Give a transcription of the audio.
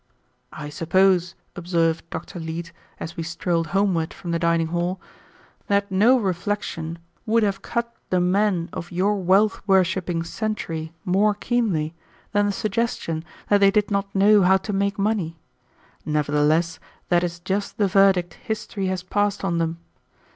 "I suppose," observed Dr. Leete, as we strolled homeward from the dining hall, "that no reflection would have cut the men of your wealth worshiping century more keenly than the suggestion that they did not know how to make money. Nevertheless that is just the verdict history has passed on them.